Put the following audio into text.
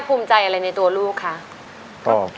ก็ภูมิใจที่เขามีความสามารถนะครับผม